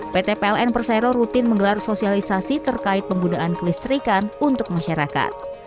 pt pln persero rutin menggelar sosialisasi terkait penggunaan kelistrikan untuk masyarakat